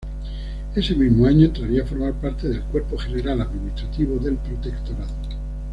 Ese mismo año entraría a formar parte del Cuerpo General Administrativo del Protectorado.